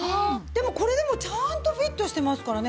でもこれでもちゃんとフィットしてますからね